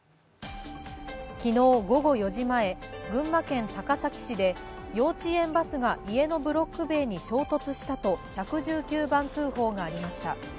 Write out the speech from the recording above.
昨日午後４時前、群馬県高崎市で幼稚園バスが家のブロック塀に衝突したと１１９番通報がありました。